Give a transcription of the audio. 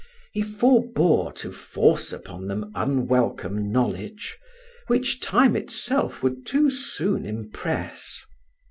He forbore to force upon them unwelcome knowledge, which time itself would too soon impress.